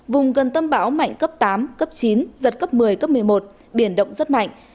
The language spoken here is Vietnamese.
vùng gần tâm bão mạnh cấp tám cấp chín giật cấp một mươi cấp một mươi một biển động rất mạnh